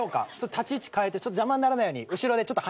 立ち位置かえて邪魔にならないように後ろでちょっと離れて。